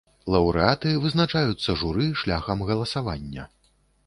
Лаўрэаты вызначаюцца журы шляхам галасавання.